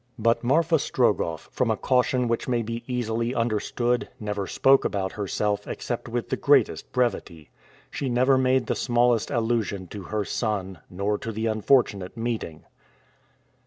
But Marfa Strogoff, from a caution which may be easily understood, never spoke about herself except with the greatest brevity. She never made the smallest allusion to her son, nor to the unfortunate meeting.